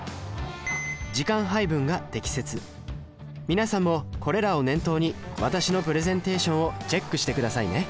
皆さんもこれらを念頭に私のプレゼンテーションをチェックしてくださいね